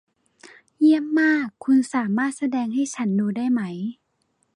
เยี่ยมมาก คุณสามารถแสดงให้ฉันดูได้ไหม